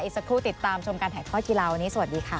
สักครู่ติดตามชมการถ่ายทอดกีฬาวันนี้สวัสดีค่ะ